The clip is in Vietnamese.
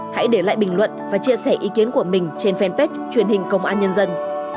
hãy để lại bình luận và chia sẻ ý kiến của mình trên fanpage truyền hình công an nhân dân